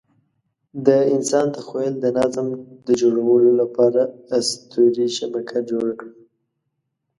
د انسان تخیل د نظم د جوړولو لپاره اسطوري شبکه جوړه کړه.